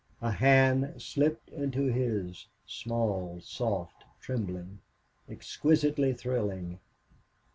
A hand slipped into his small, soft, trembling, exquisitely thrilling.